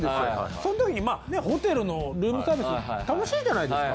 そのときにまあホテルのルームサービス楽しいじゃないですか。